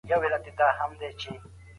تمدن په تدریجي ډول مخ ته ځي.